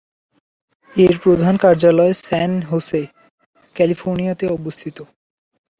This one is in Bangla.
এর প্রধান কার্যালয় স্যান হোসে, ক্যালিফোর্নিয়াতে অবস্থিত।